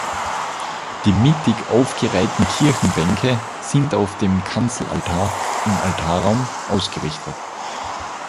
Die mittig aufgereihten Kirchenbänke sind auf den Kanzelaltar im Altarraum ausgerichtet.